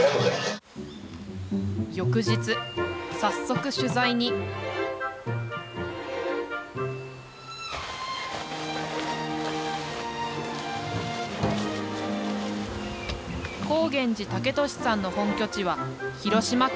翌日早速取材に光源寺毅寿さんの本拠地は広島県三次市。